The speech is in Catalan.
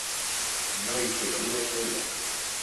No hi trobaria el seu lloc.